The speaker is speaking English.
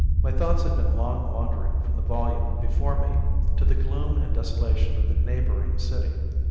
My thoughts had been long wandering from the volume before me to the gloom and desolation of the neighboring city.